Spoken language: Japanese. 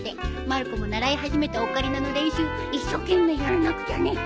まる子も習い始めたオカリナの練習一生懸命やらなくちゃね。